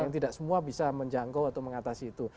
yang tidak semua bisa menjangkau atau mengatasi itu